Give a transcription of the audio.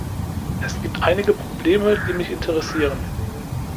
Es gibt einige Probleme, die mich interessieren.